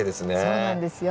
そうなんですよ。